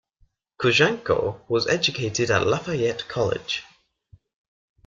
Cojuangco was educated at Lafayette College.